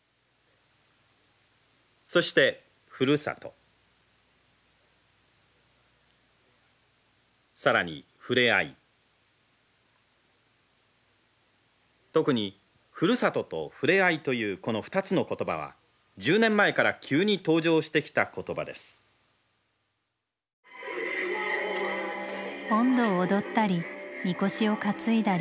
そして「ふるさと」更に「ふれあい」特に「ふるさと」と「ふれあい」というこの２つの言葉は１０年前から急に登場してきた言葉です「音頭」を踊ったり「みこし」を担いだり。